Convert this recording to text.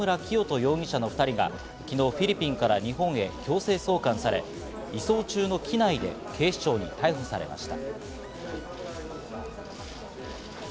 容疑者の２人が昨日、フィリピンから日本へ強制送還され、移送中の機内で警視庁に逮捕されました。